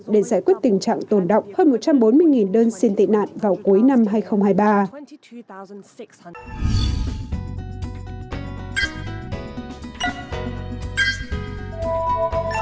để giải quyết tình trạng tồn động hơn một trăm bốn mươi đơn xin tị nạn vào cuối năm hai nghìn hai mươi ba